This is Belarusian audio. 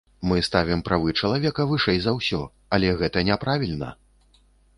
Мы ставім правы чалавека вышэй за ўсё, але гэта няправільна!